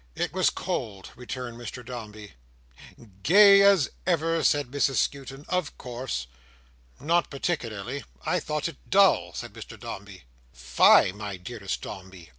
"It was cold," returned Mr Dombey. "Gay as ever," said Mrs Skewton, "of course. "Not particularly. I thought it dull," said Mr Dombey. "Fie, my dearest Dombey!"